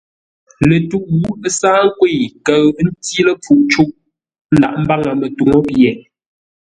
Lətwûʼ ə́ sáa nkwə̂i, kəʉ ə́ ntí ləpfuʼ cûʼ; ə́ ndaghʼḿbáŋə́ mətuŋú pye.